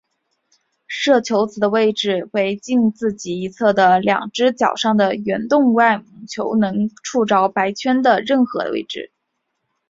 射球子的位置为近自己一侧的两只角上的圆洞外母球能触着白圈的任何位置。